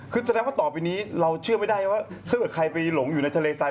คือแสดงว่าต่อไปนี้เราเชื่อไม่ได้ว่าถ้าเกิดใครไปหลงอยู่ในทะเลทราย